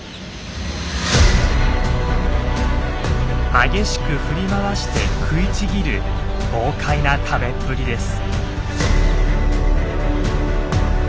激しく振り回して食いちぎる豪快な食べっぷりです。